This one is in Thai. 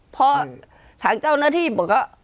พอทางเจ้าหน้าที่บอกว่า